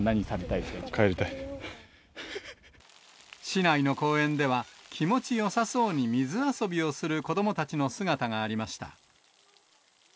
市内の公園では、気持ちよさそうに水遊びをする子どもたちの姿がありました。